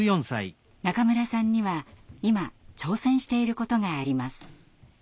中村さんには今挑戦していることがあります。